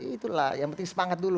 itulah yang penting semangat dulu